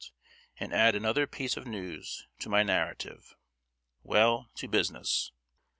and add another piece of news to my narrative? Well, to business!